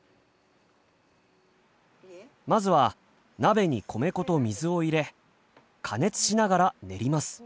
まずは鍋に米粉と水を入れ加熱しながら練ります。